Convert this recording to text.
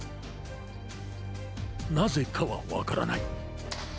なぜかはわからない。